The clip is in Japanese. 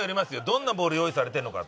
どんなボール用意されてるのか。